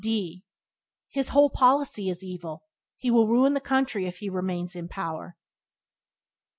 D His whole policy is evil. He will ruin the country if he remains in power.